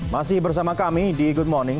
masih bersama kami di good morning